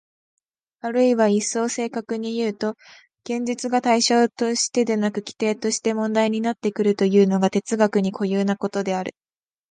あるいは一層正確にいうと、現実が対象としてでなく基底として問題になってくるというのが哲学に固有なことである。